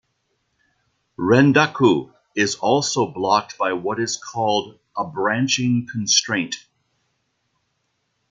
"Rendaku" is also blocked by what is called a "branching constraint".